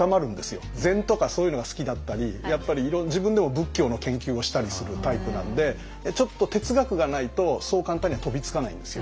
禅とかそういうのが好きだったりやっぱり自分でも仏教の研究をしたりするタイプなんでちょっと哲学がないとそう簡単には飛びつかないんですよ。